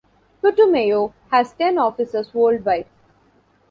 Putumayo has ten offices worldwide.